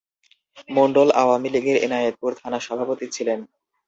মন্ডল আওয়ামী লীগের এনায়েতপুর থানা সভাপতি ছিলেন।